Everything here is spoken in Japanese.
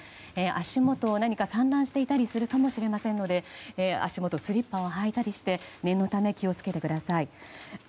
足元には何か散乱しているかもしれませんので足元、スリッパを履いたりして念のため気を付けてください。